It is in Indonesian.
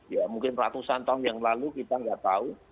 ya mungkin ratusan tahun yang lalu kita nggak tahu